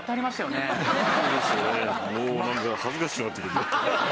もうなんか恥ずかしくなってくるよ。